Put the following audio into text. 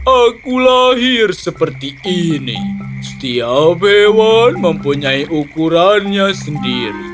aku lahir seperti ini setiap hewan mempunyai ukurannya sendiri